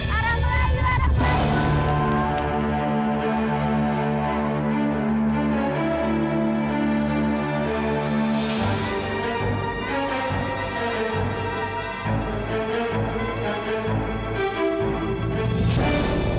arah melayu arah melayu